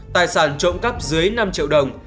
tài sản trộm cắp dưới năm triệu đồng